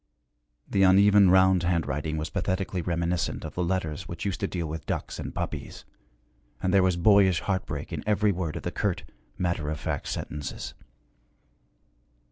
The uneven round handwriting was pathetically reminiscent of the letters which used to deal with ducks and puppies, and there was boyish heartbreak in every word of the curt, matter of fact sentences.